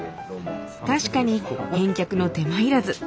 確かに返却の手間いらず。